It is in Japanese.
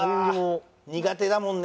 苦手だもんね。